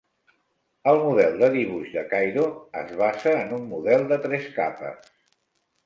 El model de dibuix de Cairo es basa en un model de tres capes.